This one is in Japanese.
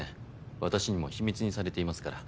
私にも秘密にされていますから。